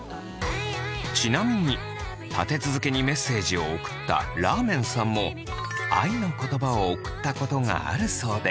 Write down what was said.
ちなみに立て続けにメッセージを送ったらーめんさんも愛の言葉を送ったことがあるそうで。